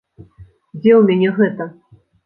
Дзе ў мяне гэта?